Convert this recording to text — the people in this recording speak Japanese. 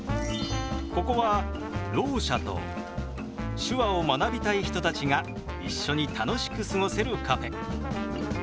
ここはろう者と手話を学びたい人たちが一緒に楽しく過ごせるカフェ。